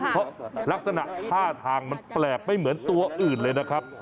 เพราะลักษณะท่าทางมันแปลกไม่เหมือนตัวอื่นเลยนะครับ